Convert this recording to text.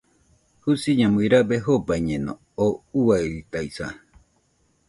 Jusiñamui rabe jobaiñeno, oo uairitaisa